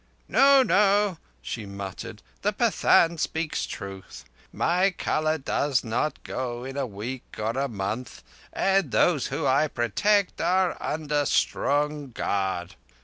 "No, no," she muttered, "the Pathan speaks truth—my colour does not go in a week or a month, and those whom I protect are under strong guard."